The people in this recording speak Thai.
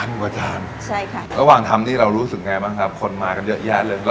หมู่อาจารย์ใช่ค่ะระหว่างทำนี่เรารู้สึกไงบ้างครับคนมากันเยอะแยะเลย